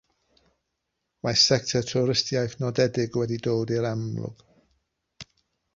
Mae sector twristiaeth nodedig wedi dod i'r amlwg.